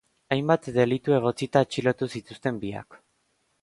Hainbat delitu egotzita atxilotu zituzten biak.